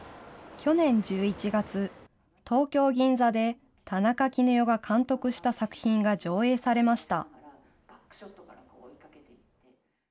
去年１１月、東京・銀座で、田中絹代が監督した作品が上映されました。